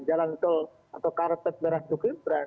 jalan tol atau karpet berat untuk ibran